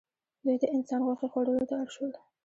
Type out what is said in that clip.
دوی د انسان غوښې خوړلو ته اړ شول.